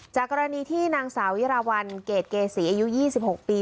จากกรณีที่นางสาววิราวัลเกรดเกษีอายุ๒๖ปี